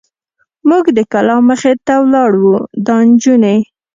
موږ د کلا مخې ته ولاړ و، دا نجونې.